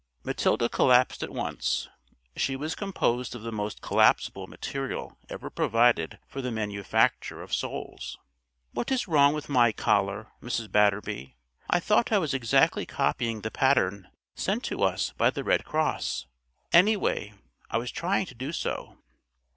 Matilda collapsed at once: she was composed of the most collapsible material ever provided for the manufacture of souls. "What is wrong with my collar, Mrs. Batterby? I thought I was exactly copying the pattern sent to us by the Red Cross. Anyway, I was trying to do so."